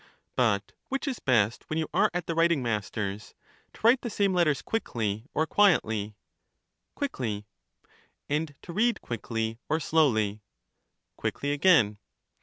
But which is best when you are at the writing master's, to write the same letters quickly or quietly? Quickly. And to read quickly or slowly? Quickly again.